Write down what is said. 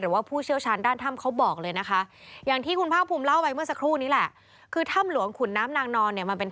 ผู้เชี่ยวชาญด้านถ้ำเขาบอกเลยนะคะอย่างที่คุณภาคภูมิเล่าไปเมื่อสักครู่นี้แหละคือถ้ำหลวงขุนน้ำนางนอนเนี่ยมันเป็น